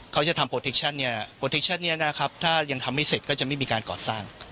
เขาจะทำเนี่ยนะครับถ้ายังทำไม่เสร็จก็จะไม่มีการก่อสร้าง